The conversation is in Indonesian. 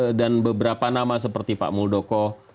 ada dan beberapa nama seperti pak muldoko